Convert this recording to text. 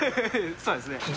そうですね。